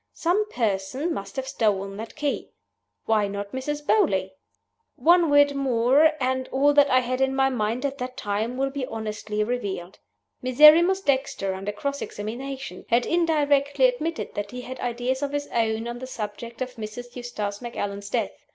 Some person must have stolen that key. Why not Mrs. Beauly? One word more, and all that I had in my mind at that time will be honestly revealed. Miserrimus Dexter, under cross examination, had indirectly admitted that he had ideas of his own on the subject of Mrs. Eustace Macallan's death.